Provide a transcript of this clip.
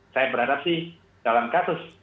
saya berharap sih dalam kasus